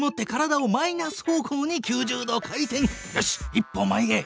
一歩前へ！